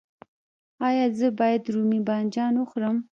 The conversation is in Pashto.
ایا زه باید رومی بانجان وخورم؟